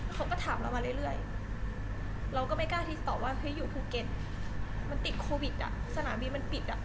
เขาก็ถามเรามาเรื่อยเราก็ไม่กล้าที่จะตอบว่าเฮ้ยอยู่ภูเก็ตมันติดโควิดอ่ะสนามบินมันปิดอ่ะ